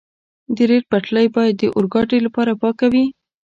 د ریل پټلۍ باید د اورګاډي لپاره پاکه وي.